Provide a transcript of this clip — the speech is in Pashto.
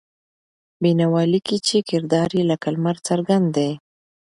بېنوا لیکي چې کردار یې لکه لمر څرګند دی.